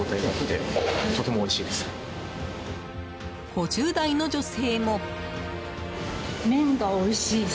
５０代の女性も。